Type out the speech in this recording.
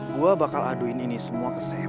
gue bakal aduin ini semua ke saya